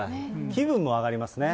気分も上がりますね。